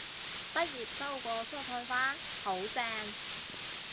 畢業收過蔬菜花，好正